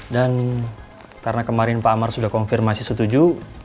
dan karena kemarin pak amar sudah konfirmasi setuju